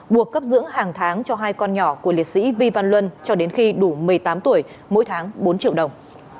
buộc cấp dưỡng hàng tháng cho hai con nhỏ của liệt sĩ vi văn luân cho đến khi đủ một mươi tám tuổi mỗi tháng bốn triệu đồng